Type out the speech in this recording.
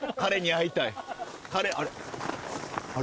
あれ？